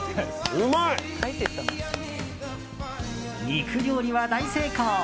肉料理は大成功。